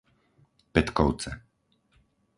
Petkovce